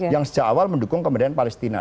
yang sejak awal mendukung kemerdekaan palestina